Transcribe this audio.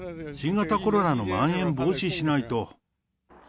新型コロナのまん延防止しないと。